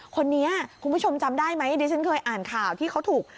คุณผู้ชมจำได้ไหมดิฉันเคยอ่านข่าวที่เขาถูก